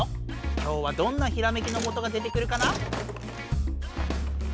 今日はどんなひらめきのもとが出てくるかな？